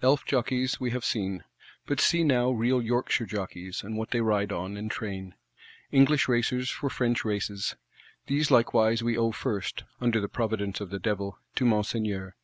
Elf jokeis, we have seen; but see now real Yorkshire jockeys, and what they ride on, and train: English racers for French Races. These likewise we owe first (under the Providence of the Devil) to Monseigneur.